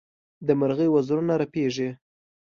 د مرغۍ وزرونه رپېږي.